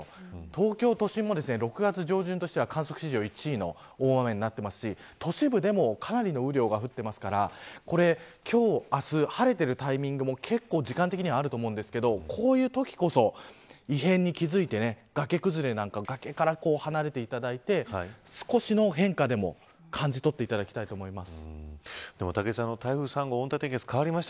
東京都心も、６月上旬としては観測史上１位の大雨になってますし都市部でもかなりの雨量が降ってますから今日、明日晴れているタイミングも結構、時間的にはあると思うんですけどこういうときこそ異変に気づいて崖崩れなど崖から離れていただいて少しの変化でも感じ取っていただきたいと思います。